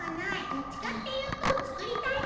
どっちかっていうとつくりたいは！